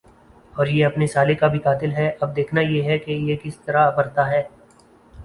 اور یہ اپنے سالے کا بھی قاتل ھے۔ اب دیکھنا یہ ھے کہ یہ کس طرع مرتا ھے۔